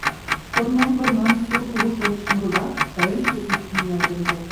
Корнан-корнан сур кугу шовычшым руда, чалемше ӱпшым ниялтен колта.